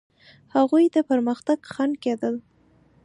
هغوی د پرمختګ خنډ کېدل.